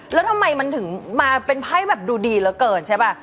แล้วทำไมมันถึงมาเป็นไพ่แบบดูดีเหลือเกินใช่ป่ะ